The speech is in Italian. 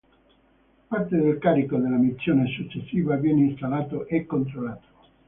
Parte del carico della missione successiva viene installato e controllato.